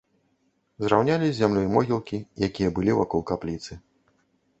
Зраўнялі з зямлёй могілкі, якія былі вакол капліцы.